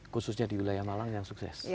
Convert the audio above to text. khususnya di wilayah malang yang sukses